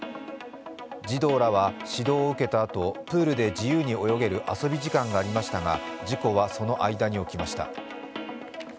児童らは指導を受けたあと、プールで自由に泳げる遊び時間がありましたが事故はその間に起きました。